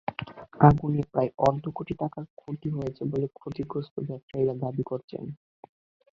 আগুনে প্রায় অর্ধকোটি টাকার ক্ষতি হয়েছে বলে ক্ষতিগ্রস্ত ব্যবসায়ীরা দাবি করেছেন।